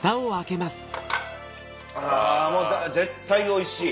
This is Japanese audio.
あもう絶対おいしい。